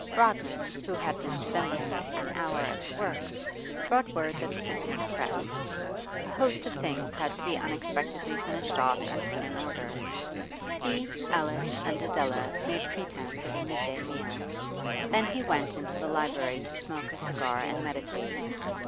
Rodman, who had been spending an hour at the works, brought word that business pressed; a host of things had to be unexpectedly finished off and put in order. He, Alice, and Adela made pretence of a midday meal; then he went into the library to smoke a cigar and meditate.